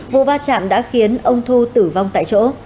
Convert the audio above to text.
vụ va chạm đã khiến ông thu tử vong tại chỗ